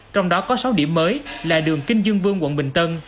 trong đó có sáu điểm mới là đường kinh dương vương quận bình tân